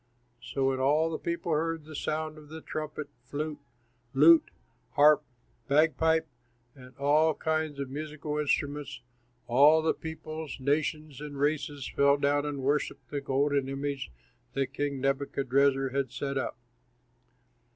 '" So when all the people heard the sound of the trumpet, flute, lute, harp, bagpipe, and all kinds of musical instruments, all the peoples, nations, and races fell down and worshipped the golden image that King Nebuchadrezzar had set up.